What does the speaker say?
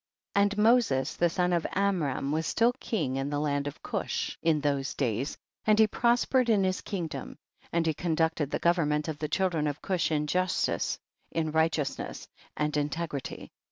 1 . And Moses the son of Amram was still king in the land of Cush in those days, and he prospered in his kingdom, and he conducted the government of the children of Cush in justice, in righteousness and in tegrity.